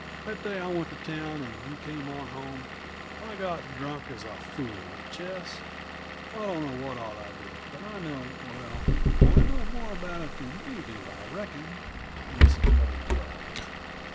That day I went to town, and you came on home, I got drunk as a fool, Ches. I don't know what all I did, but I know " "Well, I know more about it than you do, I reckon," Mason cut in dryly.